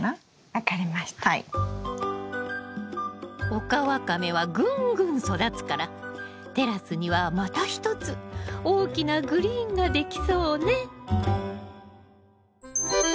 オカワカメはぐんぐん育つからテラスにはまた一つ大きなグリーンができそうね。